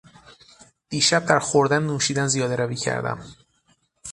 دیشب در خوردن و نوشیدن زیادهروی کردم.